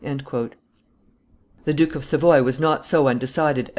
'" The Duke of Savoy was not so undecided as M.